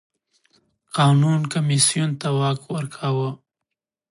قانون کمېسیون ته واک ورکاوه.